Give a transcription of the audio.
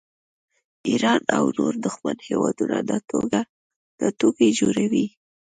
ایران او نور دښمن هیوادونه دا ټوکې جوړوي